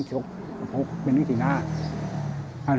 ประกอบมาอาทับกูศาสตร์ที่สามารถที่นั้นนั่น